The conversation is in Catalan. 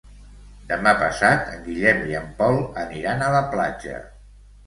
Demà passat en Guillem i en Pol aniran a la platja.